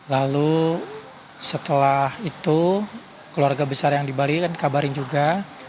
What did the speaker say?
lalu setelah itu keluarga besar yang di bali kan dikabarin juga